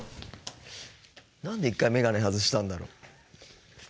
何で一回眼鏡外したんだろう。